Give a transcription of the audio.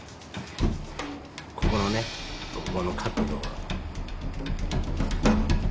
ここのねこの角度。